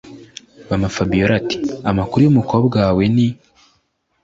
mama-fabiora ati”amakuru yumukobwa yawe ni